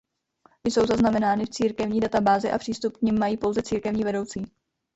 Jsou zaznamenány v církevní databázi a přístup k nim mají pouze církevní vedoucí.